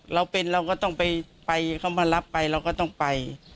เราเป็นเราก็ต้องไปเขามารับไปเราก็ต้องไป